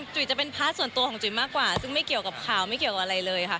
จุ๋ยจะเป็นพาร์ทส่วนตัวของจุ๋ยมากกว่าซึ่งไม่เกี่ยวกับข่าวไม่เกี่ยวกับอะไรเลยค่ะ